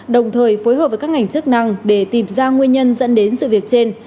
đồng thời phối hợp với các ngành chức năng để tìm ra nguyên nhân dẫn đến sự việc trên